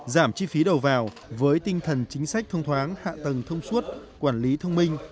giảm chi phí đầu vào với tinh thần chính sách thông thoáng hạ tầng thông suốt quản lý thông minh